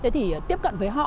thì tiếp cận với họ